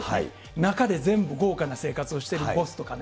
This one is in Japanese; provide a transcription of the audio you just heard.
中で全部豪華な生活をしているボスとかね。